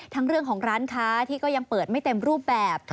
ทั้งเรื่องของร้านค้าที่ก็ยังเปิดไม่เต็มรูปแบบ